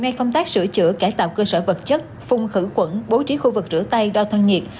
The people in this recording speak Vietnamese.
các trường đã được sửa chữa cải tạo cơ sở vật chất phung khử quẩn bố trí khu vực rửa tay đo thân nhiệt